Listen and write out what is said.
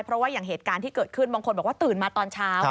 เพราะว่าอย่างเหตุการณ์ที่เกิดขึ้นบางคนบอกว่าตื่นมาตอนเช้า